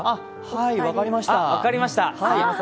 はい、分かりました。